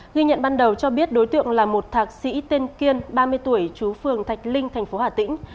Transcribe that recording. ghi nhận ban đầu cho biết đối tượng là một thạc sĩ tên kiên ba mươi tuổi chú phường thạch linh thành phố hà tĩnh